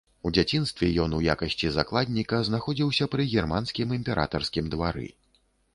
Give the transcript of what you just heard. У дзяцінстве ён у якасці закладніка знаходзіўся пры германскім імператарскім двары.